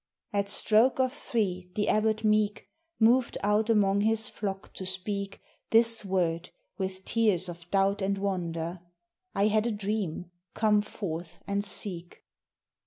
At stroke of three the abbot meek Moved out among his flock to speak This word, with tears of doubt and wonder: 'I had a dream; come forth and seek.